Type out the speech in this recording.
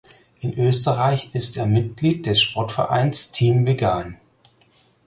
In Österreich ist er Mitglied des Sportvereins „Team Vegan“.